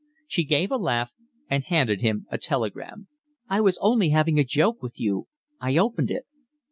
She gave a laugh and handed him a telegram. "I was only having a joke with you. I opened it."